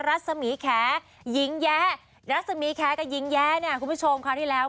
รัศมีแคหญิงแย้รัศมีแคกับหญิงแย้เนี่ยคุณผู้ชมคราวที่แล้ว